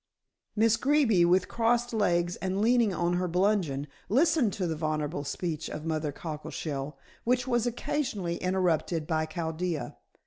Miss Greeby, with crossed legs and leaning on her bludgeon, listened to the voluble speech of Mother Cockleshell, which was occasionally interrupted by Chaldea.